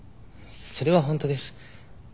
それは本当です。